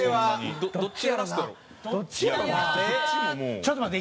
ちょっと待って。